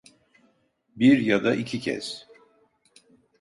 Bir ya da iki kez.